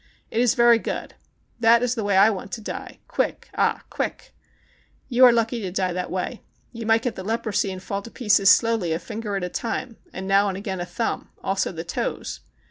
It is very good. That is the way I want to die ã quick, ah, quick. You are lucky to die that way. You might get the leprosy and fall to pieces slowlv, a finger at a time, and now and again a thumb, also the toes.